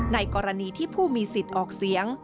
ในกรณีที่ผู้มีสิทธิ์ออกเสียง